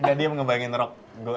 gak diem ngebayangin rock